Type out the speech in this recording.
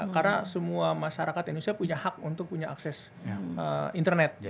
karena semua masyarakat indonesia punya hak untuk punya akses internet